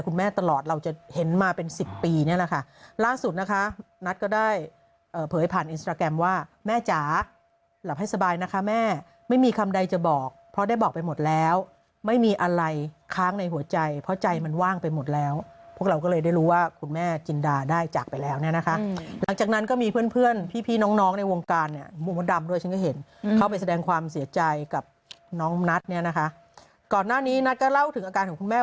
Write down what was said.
คุณแม่งคุณแม่งคุณแม่งคุณแม่งคุณแม่งคุณแม่งคุณแม่งคุณแม่งคุณแม่งคุณแม่งคุณแม่งคุณแม่งคุณแม่งคุณแม่งคุณแม่งคุณแม่งคุณแม่งคุณแม่งคุณแม่งคุณแม่งคุณแม่งคุณแม่งคุณแม่งคุณแม่งคุณแม่งคุณแม่งคุณแม่งคุณแม